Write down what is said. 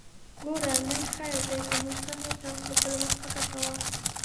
ګوره! نن خير دی، کوم مشکل نشته، خو بل وخت فکر کوه!